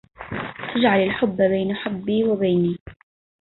أجعل الحب بين حبي وبيني